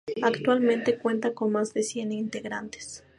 Actualmente cuenta con más de cien integrantes.